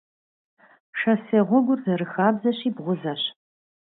Шоссе гъуэгухэр, зэрыхабзэщи, бгъузэщ.